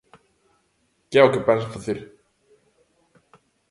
¿Que é o que pensan facer?